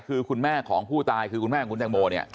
คือคุณแม่ของผู้ตายคือคุณแม่ของคุณแตงโมเนี่ย